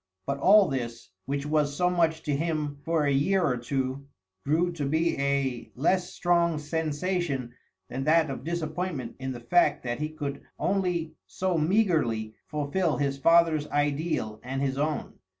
But all this, which was so much to him for a year or two, grew to be a less strong sensation than that of disappointment in the fact that he could only so meagrely fulfil his father's ideal and his own.